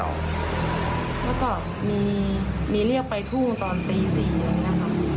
แล้วก็มีเรียกไปทุ่งตอนตี๔อะไรอย่างนี้ค่ะ